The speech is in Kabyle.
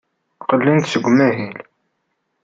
Qqlen-d seg umahil.